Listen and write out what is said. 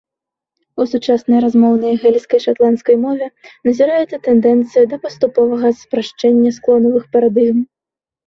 У сучаснай размоўнай гэльскай шатландскай мове назіраецца тэндэнцыя да паступовага спрашчэння склонавых парадыгм.